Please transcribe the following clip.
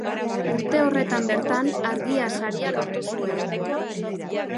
Urte horretan bertan Argia Saria lortu zuen.